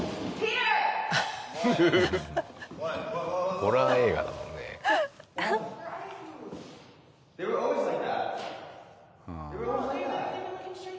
ホラー映画だろうね。